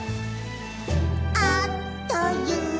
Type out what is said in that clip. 「あっという間に」